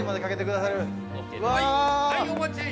はいお待ち！